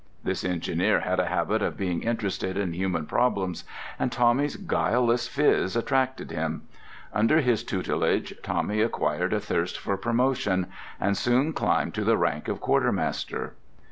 This engineer had a habit of being interested in human problems, and Tommy's guileless phiz attracted him. Under his tutelage Tommy acquired a thirst for promotion, and soon climbed to the rank of quartermaster.